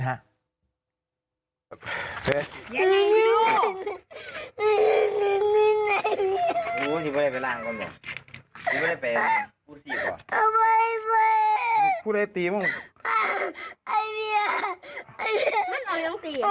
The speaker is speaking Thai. ไม่พ่อย